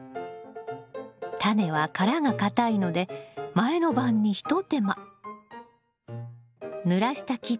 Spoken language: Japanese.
タネは殻が硬いので前の晩に一手間。